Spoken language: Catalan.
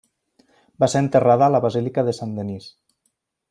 Va ser enterrada a la Basílica de Saint-Denis.